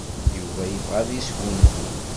Yuba yebɣa ad yesgunfu?